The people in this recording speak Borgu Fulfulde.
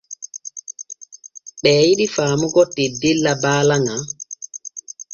Ɓee jidi faamugo teddella baala ŋal.